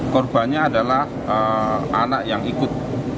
korbannya adalah anak yang ikut